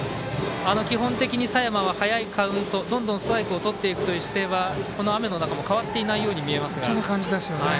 基本的に佐山は早いカウントどんどんストライクをとりにいくという姿勢はこの雨の中も変わっていないように見えますが。